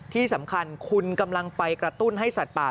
ที่สำคัญคุณกำลังไปกระตุ้นให้สัตว์ป่า